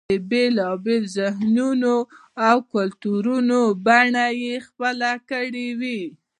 د بېلا بېلو مذهبونو او کلتورونو بڼه یې خپله کړې وه.